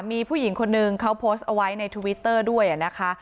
มีผู้หญิงคนนึงเขาโพสต์เอาไว้ในทวิตเตอร์ด้วยนะคะ